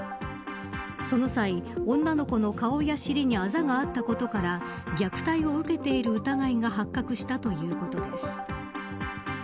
その際、女の子の顔や尻にあざがあったことから虐待を受けている疑いが発覚したということです。